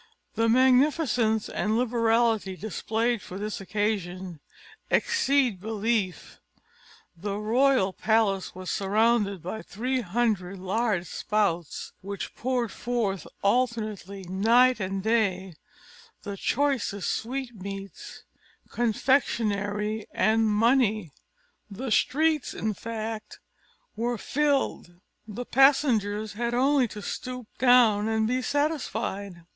The magnificence and liberality displayed on this occasion exceed belief. The royal palace was surrounded by three hundred large spouts which poured forth alternately, night and day the choicest sweetmeats, confectionery, and money; the streets, in fact, were filled the passengers had only to stoop down and be satisfied.